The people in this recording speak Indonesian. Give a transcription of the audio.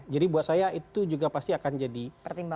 jadi buat saya itu juga pasti akan jadi pertimbangan